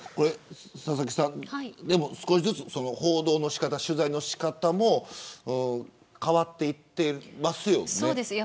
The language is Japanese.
佐々木さん、少しずつ報道の仕方、取材の仕方も変わっていっていますよね。